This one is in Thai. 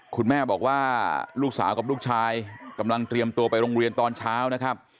คุณแม่บอกว่าลูกสาวกับลูกชายกำลังเตรียมตัวไปโรงเรียนตอนเช้านะครับ